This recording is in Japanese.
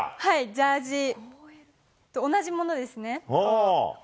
ジャージと同じものですね。